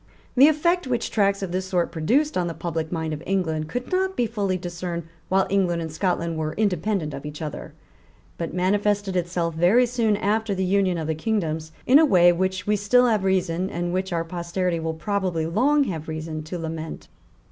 The effect which tracts of this sort produced on the public mind of England could not be fully discerned, while England and Scotland were independent of each other, but manifested itself, very soon after the union of the kingdoms, in a way which we still have reason, and which our posterity will probably long have reason to lament.